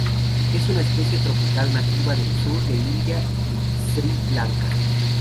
Es una especie tropical nativa del sur de India y Sri Lanka.